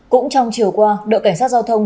cũng trong chiều qua đội cảnh sát giao thông